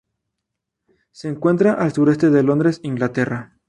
Se encuentra al sureste de Londres, Inglaterra.